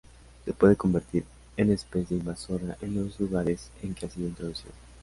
Se puede convertir en especie invasora en los lugares en que ha sido introducida.